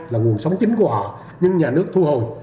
là nguồn sống chính của họ nhưng nhà nước thu hồi